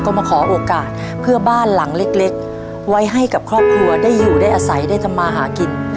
ก็มาขอโอกาสเพื่อบ้านหลังเล็กไว้ให้กับครอบครัวได้อยู่ได้อาศัยได้ทำมาหากิน